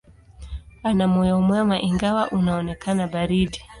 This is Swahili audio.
Ana moyo mwema, ingawa unaonekana baridi.